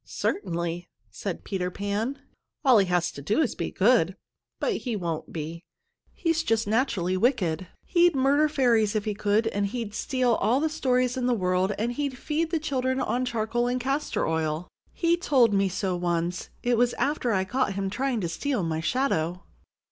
"Certainly!" said Peter Pan. "All he has to do is to be good; but he won't be! He's just naturally wicked. He'd murder fairies if he could, and he'd steal all the stories in the world, and he'd feed children on charcoal and castor oil he told me so once. It was after I caught him trying to steal my shadow."